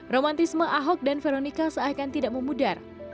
romantisme ahok dan veronica seakan tidak memudar